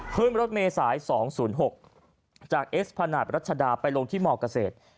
พึ่งบนรถเมย์สาย๒๐๖จากเอสพนัทรัชดาไปลงที่หมอกเกษตร